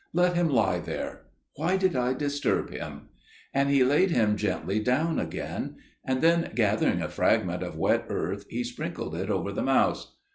"Let him lie there. Why did I disturb him?"––and he laid him gently down again; and then gathering a fragment of wet earth he sprinkled it over the mouse.